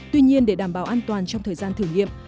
tuy nhiên để đảm bảo an toàn trong thời gian thử nghiệm